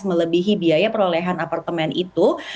melebihi biaya perolehan apartemen itu